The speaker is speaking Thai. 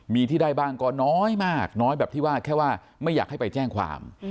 มีที่ได้บ้างก็น้อยมากน้อยแบบที่ว่าแค่ว่าไม่อยากให้ไปแจ้งความ